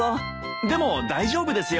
でも大丈夫ですよ。